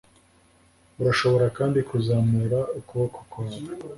Urashobora kandi kuzamura ukuboko kwawe